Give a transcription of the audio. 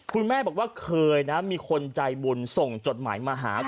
คุณแม่บอกว่าเคยนะมีคนใจบุญส่งจดหมายมาหา